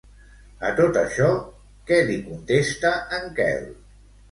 A tot això, què li contesta en Quel?